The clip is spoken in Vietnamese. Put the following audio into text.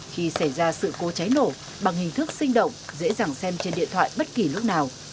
khi xảy ra sự cố cháy nổ bằng hình thức sinh động dễ dàng xem trên điện thoại bất kỳ lúc nào